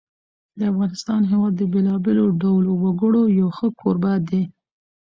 د افغانستان هېواد د بېلابېلو ډولو وګړو یو ښه کوربه دی.